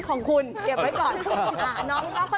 น้องคนต่อไปค่ะ